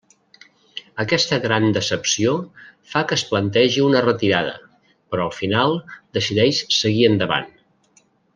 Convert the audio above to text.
Aquesta gran decepció fa que es plantegi una retirada, però al final decideix seguir endavant.